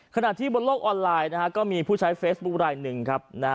ขณะที่บนโลกออนไลน์นะฮะก็มีผู้ใช้เฟซบุ๊คลายหนึ่งครับนะฮะ